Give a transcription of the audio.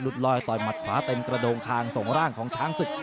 ขุนศึกไม่ปล่อยให้โอกาสหลุดลอยต่อยมัดผลาเต็มกระโดงคางส่งร่างของช้างศึก